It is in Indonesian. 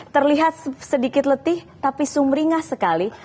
terlihat sedikit letih tapi sumringah sekali